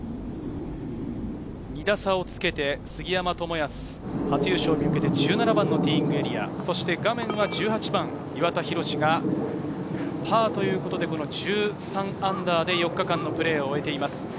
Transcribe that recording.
２打差をつけて杉山知靖、初優勝に向けて１７番のティーイングエリア、画面は１８番、岩田寛が、パーということで−１３で４日間のプレーを終えています。